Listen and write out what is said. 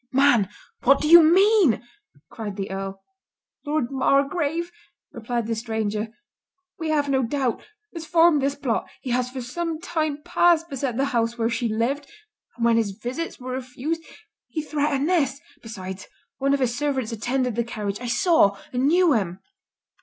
"Man, what do you mean?" cried the Earl. "Lord Margrave," replied the stranger, "we have no doubt, has formed this plot—he has for some time past beset the house where she lived; and when his visits were refused, he threatened this. Besides, one of his servants attended the carriage; I saw, and knew him."